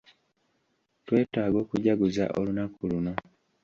Twetaaga okujaguza olunaku luno.